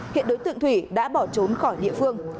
hiện đối tượng thủy đã bỏ trốn khỏi địa phương